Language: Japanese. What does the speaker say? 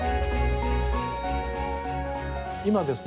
今ですね